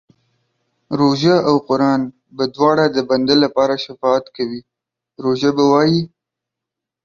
روژه او قران به دواړه د بنده لپاره شفاعت کوي، روژه به وايي